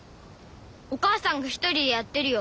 お母さんが一人でやってるよ。